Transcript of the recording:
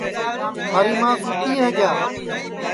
تھاری ماں سُتی ہے کیا